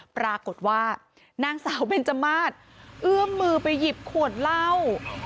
ปรากฏว่านางสาวเบนจมาสเอื้อมมือไปหยิบขวดเหล้า